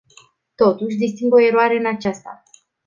Totuși, disting o eroare în acesta.